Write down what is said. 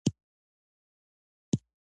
یو څه انتظار پکې موجود وي.